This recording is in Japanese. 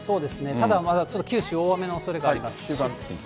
ただまだちょっと九州、大雨のおそれがあります。